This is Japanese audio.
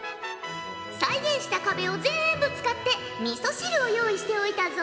再現した壁をぜんぶ使ってみそ汁を用意しておいたぞ。